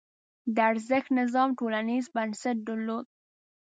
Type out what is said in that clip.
د ارزښت نظام ټولنیز بنسټ درلود.